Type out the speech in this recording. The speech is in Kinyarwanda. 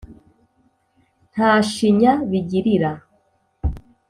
nta shinya bigirira